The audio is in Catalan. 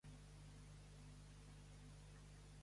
Qui es troba al costat de la viuda?